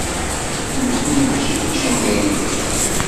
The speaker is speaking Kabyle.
Nutni mačči d icenga-inu.